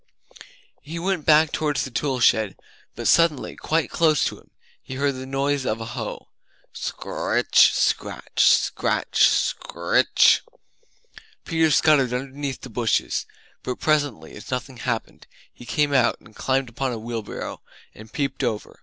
He went back towards the tool shed, but suddenly, quite close to him, he heard the noise of a hoe scr r ritch, scratch, scratch, scritch. Peter scuttered underneath the bushes, but presently as nothing happened, he came out and Climbed upon a wheelbarrow, and peeped over.